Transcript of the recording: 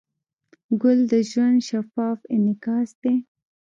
ګل د ژوند شفاف انعکاس دی.